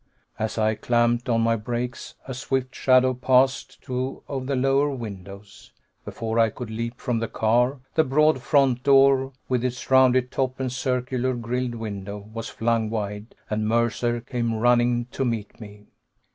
As I clamped on my brakes, a swift shadow passed two of the lower windows. Before I could leap from the car, the broad front door, with its rounded top and circular, grilled window, was flung wide, and Mercer came running to meet me.